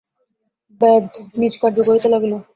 ব্যাধ নিজ কার্য করিতে লাগিল।